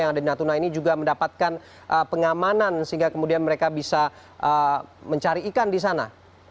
yang ada di natuna ini juga mendapatkan pengamanan sehingga kemudian mereka bisa mencari ikan di sana